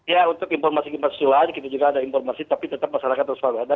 ya untuk informasi gempas usulan kita juga ada informasi tapi tetap masyarakat terus selalu ada